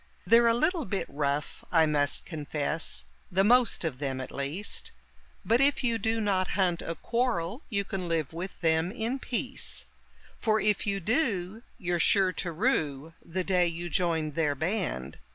They're a little bit rough, I must confess, the most of them, at least; But if you do not hunt a quarrel you can live with them in peace; For if you do, you're sure to rue the day you joined their band.